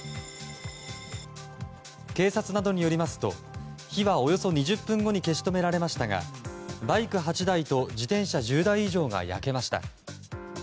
警察などによりますと火はおよそ２０分後に消し止められましたがバイク８台と自転車１０台以上が焼けました。